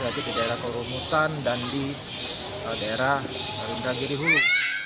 yaitu di daerah kelurungutan dan di daerah rindang girihulu